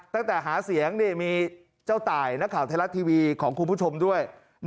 ตั้งแต่หาเสียงมีเจ้าตายนักข่าวไทยรัฐทีวีของคุณผู้ชมด้วย